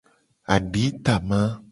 Aditama.